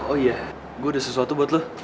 oh iya gue ada sesuatu buat lo